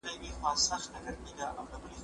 لکه ښاخ د زاړه توت غټ مړوندونه